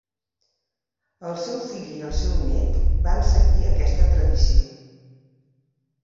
El seu fill i el seu nét van seguir aquesta tradició.